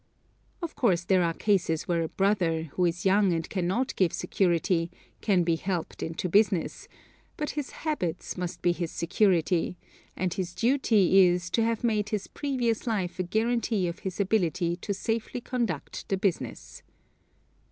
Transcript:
Of course there are cases where a brother, who is young and cannot give security, can be helped into business; but his habits must be his security, and his duty is to have made his previous life a guarantee of his ability to safely conduct the business.